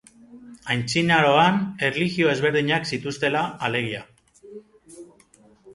Aintzinaroan erlijio ezberdinak zituztela, alegia.